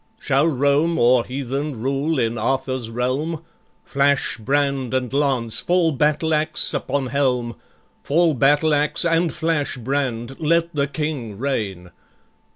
"Shall Rome or heathen rule in Arthur's realm? Flash brand and lance, fall battle axe upon helm, Fall battle axe, and flash brand! Let the King reign.